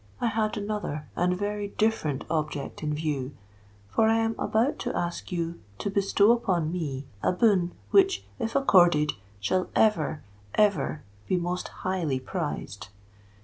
I had another and very different object in view; for I am about to ask you to bestow upon me a boon which, if accorded, shall ever—ever be most highly prized.